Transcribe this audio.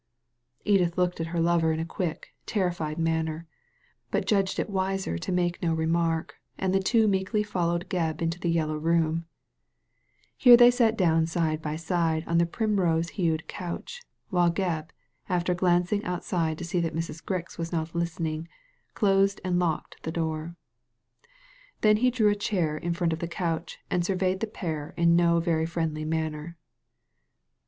Edith looked at her lover in a quick, terrified manner, but judged it wiser to make no remark, and the two meekly followed Gebb into the Yellow RoonL Here they sat down side by side on the primrose hued couch, while Gebb, after glancing outside to see that Mrs. Grix was not listening, closed and locked the door. Then he drew a chair in front of the couch, and surveyed the pair in no very friendly manner.